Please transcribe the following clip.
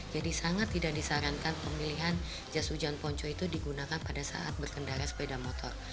jadi sangat tidak disarankan pemilihan jas hujan ponco itu digunakan pada saat berkendara sepeda motor